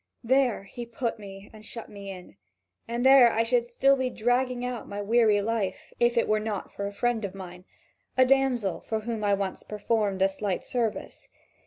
There he put me and shut me in, and there I should still be dragging out my weary life, if it were not for a friend of mine, a damsel for whom I once performed a slight service.